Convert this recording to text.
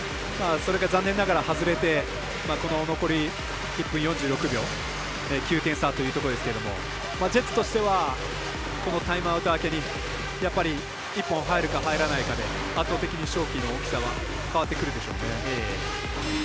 それが残念ながら外れて残り１分４６秒、９点差というところですけどジェッツとしてはこのタイムアウト明けに１本入るか入らないかで圧倒的に勝機の大きさは変わってくるでしょうね。